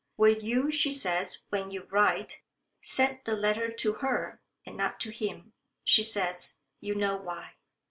Will you, she says, when you write, send the letter to her and not to him? She says, you know why."